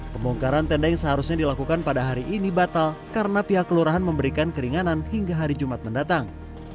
pembongkaran tenda yang seharusnya dilakukan pada hari ini batal karena pihak kelurahan memberikan keringanan hingga hari jumat mendatang